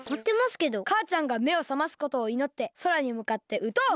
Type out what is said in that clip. かあちゃんがめをさますことをいのってそらにむかってうとう！